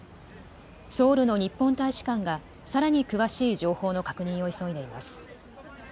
ソウルの日本大使館がさらに詳しい情報の確認を急いでいます。